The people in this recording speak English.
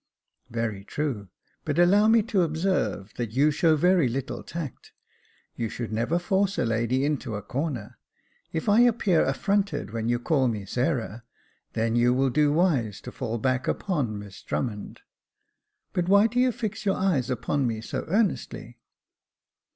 "Very true; but allow me to observe that you show very little tact. You should never force a lady into a corner. If I appear affronted when you call me Sarah, then you will do wise to fall back upon Miss Drummond. But why do you fix your eyes upon me so earnestly